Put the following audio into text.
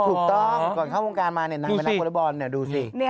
ถูกต้องก่อนเข้าวงการมาเนี่ยนางเป็นนักวอเล็กบอลเนี่ยดูสิ